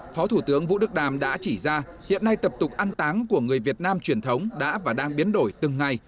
phó thủ tướng vũ đức đàm đã chỉ ra hiện nay tập tục ăn táng của người việt nam truyền thống đã và đang biến đổi từng ngày